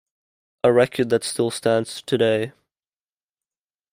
A record that still stands today.